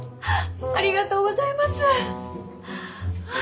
ありがとうございます！